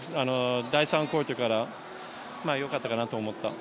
第３クオーターからよかったかなと思った。